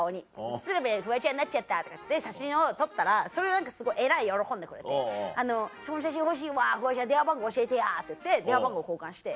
「鶴瓶フワちゃんになっちゃった」とかって写真を撮ったらそれを何かすごいえらい喜んでくれて「その写真欲しいわフワちゃん電話番号教えてや」って言って電話番号交換して。